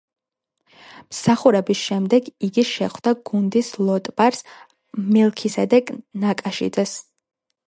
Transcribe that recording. მსახურების შემდეგ იგი შეხვდა გუნდის ლოტბარს, მელქისედეკ ნაკაშიძეს.